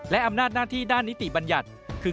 และอำนาจหน้าที่ด้านนิติบัญญัติคือ